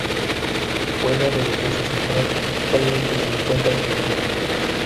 Juega de defensa central y actualmente se encuentra Sin Equipo.